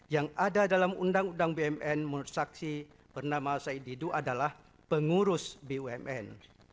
yang ada dalam undang undang bumn menurut saksi bernama said didu adalah pengurus bumn